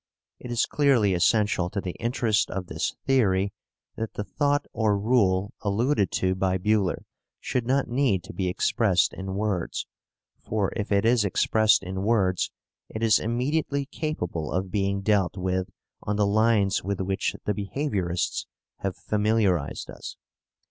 It is clearly essential to the interest of this theory that the thought or rule alluded to by Buhler should not need to be expressed in words, for if it is expressed in words it is immediately capable of being dealt with on the lines with which the behaviourists have familiarized us.